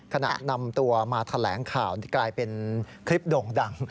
ขณะนำตัวมาแถลงข่าวกลายเป็นคลิปโด่งดัง